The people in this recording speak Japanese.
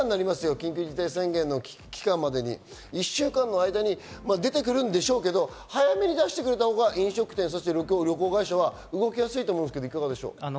緊急事態宣言の期間までに１週間の間に出てくるんでしょうけど、早めに出してくれたほうが飲食店や旅行会社は動きやすいと思うんですけど、どうでしょう？